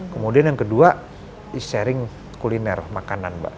kemudian yang kedua e sharing kuliner makanan mbak